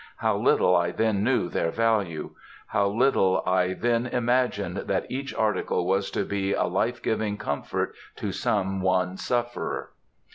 How little I then knew their value! How little I then imagined that each article was to be a life giving comfort to some one sufferer!